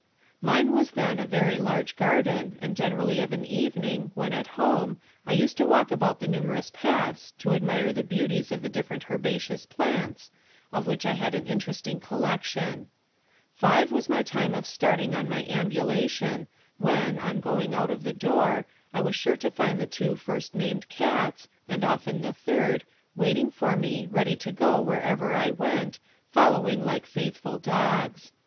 Mine was then a very large garden, and generally of an evening, when at home, I used to walk about the numerous paths to admire the beauties of the different herbaceous plants, of which I had an interesting collection. Five was my time of starting on my ambulation, when, on going out of the door, I was sure to find the two first named cats, and often the third, waiting for me, ready to go wherever I went, following like faithful dogs.